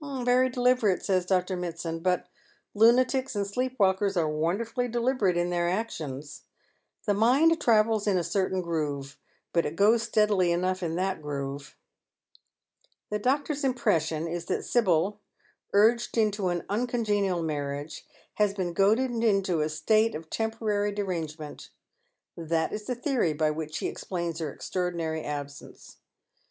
" Very deliberate," says Dr. Mitsand ;" but lunatics and sleep walkers are wonderfully deliberate in their actions. The mind travels in a ceilain groove, but it goes steadily enough in that groove." The doctor's impression is that Sibyl, urged into an uncon genial marriage, has been goaded into a state of temporary derangement. That is the theory by which he explains her extraordinary absence.